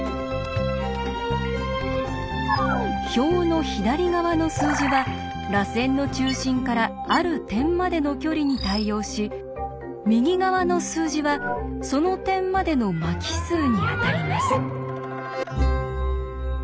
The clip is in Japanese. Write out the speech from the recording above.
表の左側の数字は「らせんの中心からある点までの距離」に対応し右側の数字は「その点までの巻き数」にあたります。